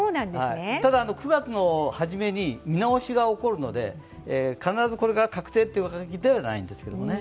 ただ、９月の初めに見直しが起こるので、必ずこれが確定というわけではないんですけどね。